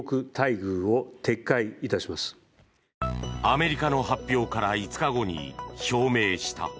アメリカの発表から５日後に表明した。